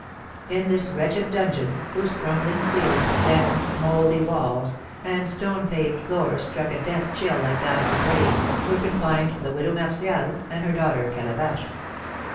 In this wretched dungeon, whose crumbling ceiling, damp, mouldy walls, and stone paved floor struck a death chill like that of the grave, were confined the Widow Martial, and her daughter Calabash.